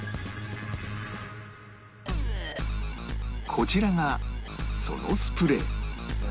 こちらがそのスプレー何？